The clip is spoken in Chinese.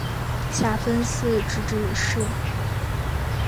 下分四自治市。